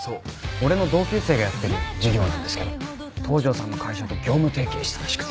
俺の同級生がやってる事業なんですけど東城さんの会社と業務提携したらしくて。